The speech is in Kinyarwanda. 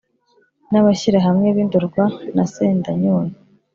N'abashyirahamwe b'i Ndorwa na Sendanyoye,